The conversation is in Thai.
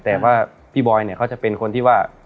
แต่ว่าพี่บอยเนี่ยเขาจะเป็นคนที่ว่า